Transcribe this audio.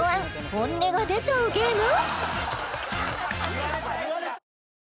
本音が出ちゃうゲーム！？